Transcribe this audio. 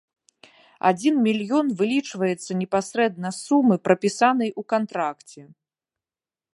Адзін мільён вылічваецца непасрэдна з сумы, прапісанай у кантракце.